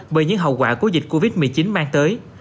bởi những hậu quả của dịch covid một mươi chín mang tới